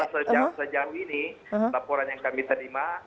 karena sejauh ini laporan yang kami terima